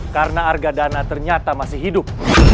karena argadana ternyata masih hidup